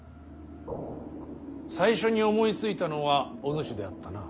最初に思いついたのはおぬしであったな。